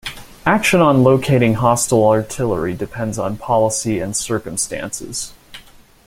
Action on locating hostile artillery depends on policy and circumstances.